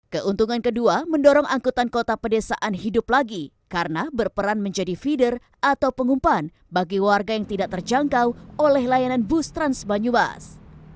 keuntungan kedua mendorong angkutan kota pedesaan hidup lagi karena berperan menjadi feeder atau pengumpan bagi warga yang tidak terjangkau oleh layanan bus trans banyumas